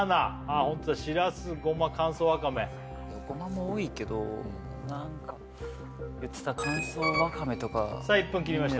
ホントだしらすごま乾燥わかめごまも多いけど何かいってた乾燥わかめとかさあ１分切りました